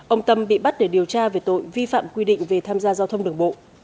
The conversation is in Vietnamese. ông tâm bị bắt để điều tra về tội vi phạm quy định về tham gia giao thông đường bộ